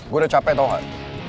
gue udah capek tau gak